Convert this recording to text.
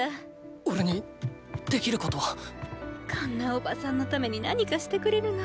おれにできることは⁉こんなおばさんのために何かしてくれるの？